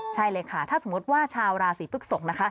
ใช่เลยค่ะถ้าสมมติว่าชาวราศีพฤกษกนะคะ